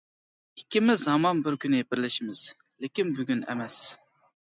-ئىككىمىز ھامان بىر كۈنى بىرلىشىشىمىز، لېكىن بۈگۈن ئەمەس.